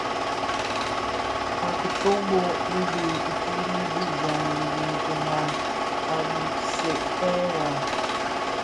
A kitömbö bi dhi fuli di zoň i biňkira a bisèntaï waa.